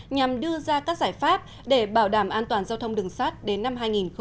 nhằm đưa ra các giải pháp để bảo đảm an toàn giao thông đường sát đến năm hai nghìn hai mươi